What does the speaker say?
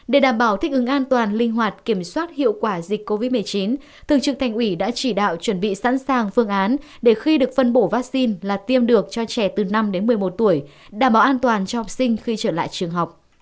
để đảm bảo thích ứng an toàn linh hoạt kiểm soát hiệu quả dịch covid một mươi chín thường trực thành ủy đã chỉ đạo chuẩn bị sẵn sàng phương án để khi được phân bổ vaccine là tiêm được cho trẻ từ năm đến một mươi một tuổi đảm bảo an toàn cho học sinh khi trở lại trường học